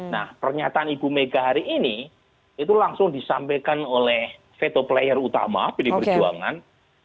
nah pernyataan ibu mega hari ini itu langsung disampaikan oleh veto player utama pd perjuangan